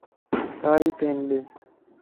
ڪاري پين ڏي